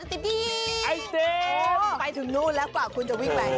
อ๋อไอติมดิ้งอ๋อไปถึงโน่นแล้วกว่าคุณจะวิ่งไป